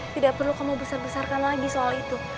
tidak perlu kamu besar besarkan lagi soal itu